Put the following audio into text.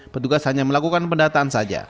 petugas hanya melakukan pendataan saja